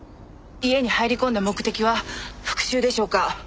家に入り込んだ目的は復讐でしょうか？